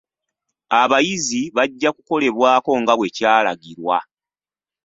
Abayizi bajja kukolebwako nga bwekyalagirwa.